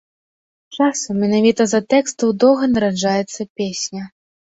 Часам менавіта з-за тэкстаў доўга нараджаецца песня.